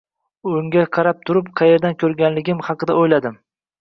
Ularga qarab turib, qayerda koʻrganligim haqida oʻyladim: